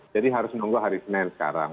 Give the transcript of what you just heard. jadi harus menunggu hari senin sekarang